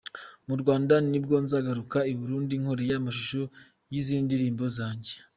mu Rwanda nibwo nzagaruka i Burundi nkore amashusho yizindi ndirimbo zanjye.